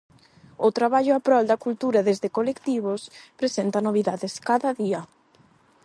O traballo a prol da cultura desde colectivos presenta novidades cada día.